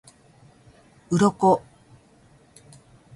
鱗